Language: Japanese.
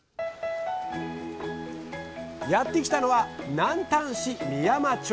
やって来たのは南丹市美山町。